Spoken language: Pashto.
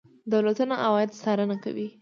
دولتونه عواید څارنه کوي.